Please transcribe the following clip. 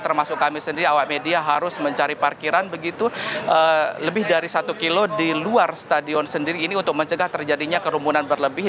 termasuk kami sendiri awak media harus mencari parkiran begitu lebih dari satu kilo di luar stadion sendiri ini untuk mencegah terjadinya kerumunan berlebih